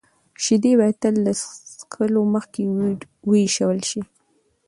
شیدې باید تل د څښلو مخکې ویشول شي.